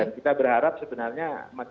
dan kita berharap sebenarnya